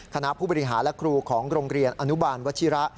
คณะผู้บริหารและครูของโรงเรียนอนุบาลวัชิระ